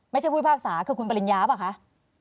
ไม่ใช่ผู้พิพากษาคือคุณปริญญาหรือเปล่าคะ